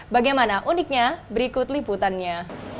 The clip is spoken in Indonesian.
bagaimana uniknya berikut liputannya